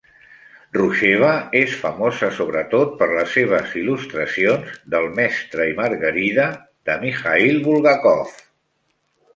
Rusheva és famosa sobretot per les seves il·lustracions d'"El mestre i Margarida", de Mikhail Bulgakov.